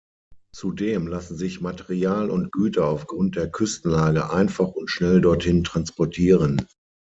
Zudem lassen sich Material und Güter aufgrund der Küstenlage einfach und schnell dorthin transportieren.